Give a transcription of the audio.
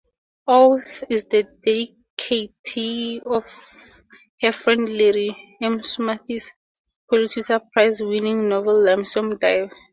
Orth is the dedicatee of her friend Larry McMurtry's Pulitzer Prize-winning novel "Lonesome Dove".